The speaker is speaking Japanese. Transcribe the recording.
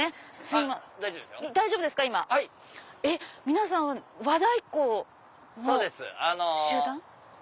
皆さん和太鼓の集団？